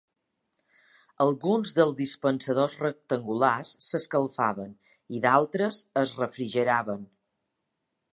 Alguns dels dispensadors rectangulars s'escalfaven i d'altres es refrigeraven.